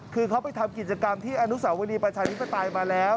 คือเขาไปทำกิจกรรมที่อนุสาวรีประชาธิปไตยมาแล้ว